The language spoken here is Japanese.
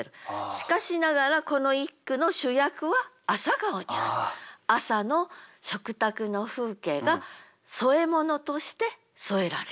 しかしながらこの一句の朝の食卓の風景が添え物として添えられている。